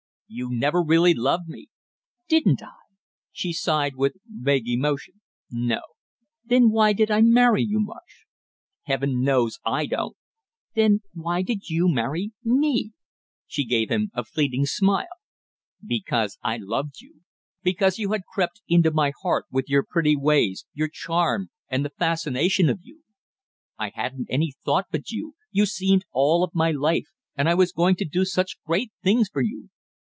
"You never really loved me!" "Didn't I?" she sighed with vague emotion. "No." "Then why did I marry you, Marsh?" "Heaven knows I don't!" "Then why did you marry me?" She gave him a fleeting smile. "Because I loved you because you had crept into my heart with your pretty ways, your charm, and the fascination of you. I hadn't any thought but you; you seemed all of my life, and I was going to do such great things for you.